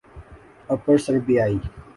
اپر سربیائی